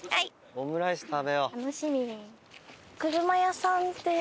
オムライス食べよう。